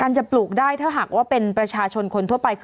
จะปลูกได้ถ้าหากว่าเป็นประชาชนคนทั่วไป